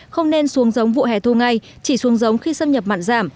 không nên xuống giống vụ hè thu ngay chỉ xuống giống khi xâm nhập mặn giảm